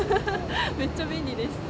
めっちゃ便利です。